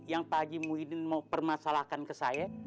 yang pak haji muhyiddin mau permasalahkan ke saya